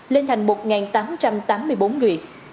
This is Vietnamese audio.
lên thành một tám trăm tám mươi bốn người